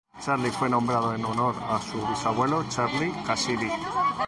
Charlie fue nombrado en honor a su bisabuelo Charlie Cassidy.